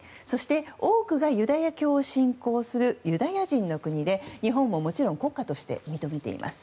多くがユダヤ教を信仰するユダヤ人の国で日本ももちろん国家として認めています。